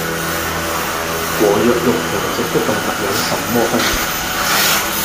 和弱肉強食的動物有什麼分別